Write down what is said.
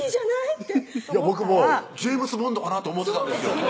って僕もジェームズ・ボンドかなと思ってたんですよ